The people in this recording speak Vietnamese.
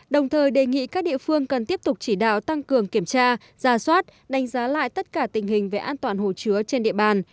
đồng thời đề nghị các địa phương cần tiếp tục chỉ đạo tăng cường kiểm tra ra soát đánh giá lại tất cả tình hình về an toàn hồ chứa trên địa bàn